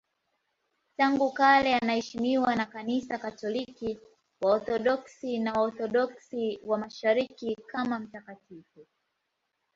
Tangu kale anaheshimiwa na Kanisa Katoliki, Waorthodoksi na Waorthodoksi wa Mashariki kama mtakatifu.